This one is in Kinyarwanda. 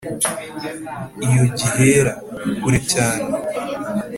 iyo gihera: kure cyane.